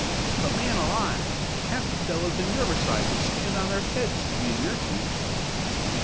"But, man alive! Half the fellows in Riverside would stand on their heads to be in your shoes."